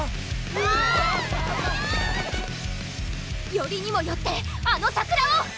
・よりにもよってあの桜を！